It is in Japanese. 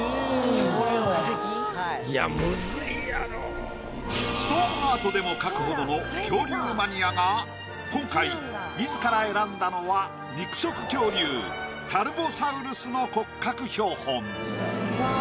いやストーンアートでも描くほどの今回自ら選んだのは肉食恐竜タルボサウルスの骨格標本。